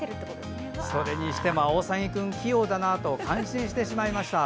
それにしてもアオサギ君、器用だなと感心してしまいました。